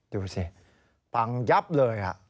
ดูสิปังยับเลยค่ะ